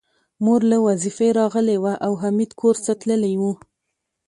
مور له وظيفې راغلې وه او حميد کورس ته تللی و